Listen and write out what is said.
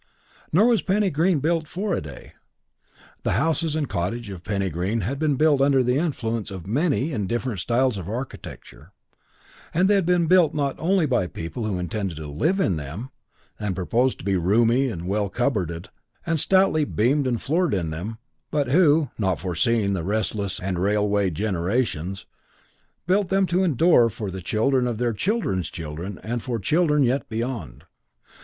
Nor was Penny Green built for a day. The houses and cottages of Penny Green had been built under the influence of many and different styles of architecture; and they had been built not only by people who intended to live in them, and proposed to be roomy and well cup boarded and stoutly beamed and floored in them, but who, not foreseeing restless and railwayed generations, built them to endure for the children of their children's children and for children yet beyond.